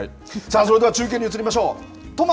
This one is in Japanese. それでは中継に移りましょう。